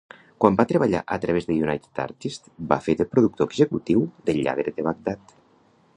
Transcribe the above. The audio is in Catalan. Quan va treballar a través de United Artists, va fer de productor executiu d'"El lladre de Bagdad".